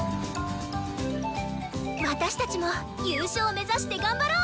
私たちも優勝目指して頑張ろう！